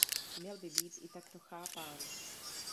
Měl by být i takto chápán.